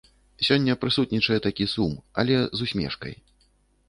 Сёння прысутнічае такі сум, але з усмешкай.